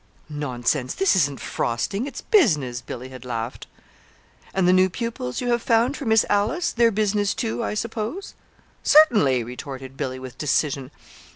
"Nonsense! This isn't frosting it's business," Billy had laughed. "And the new pupils you have found for Miss Alice they're business, too, I suppose?" "Certainly," retorted Billy, with decision.